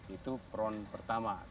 itu peron pertama